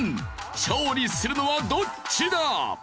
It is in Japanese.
勝利するのはどっちだ？